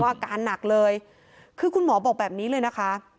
อาการหนักเลยคือคุณหมอบอกแบบนี้เลยนะคะ